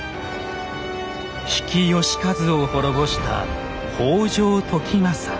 比企能員を滅ぼした北条時政。